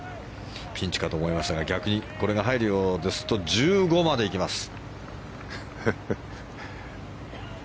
ピンチかと思いましたが逆に、これが入るようですと１５まで行きます。